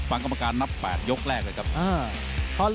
กรรมการนับ๘ยกแรกเลยครับ